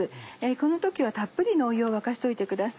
この時はたっぷりの湯を沸かしておいてください。